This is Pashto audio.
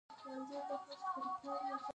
هغه وویل په شیکاګو کې یې دنده پیدا کړې ده.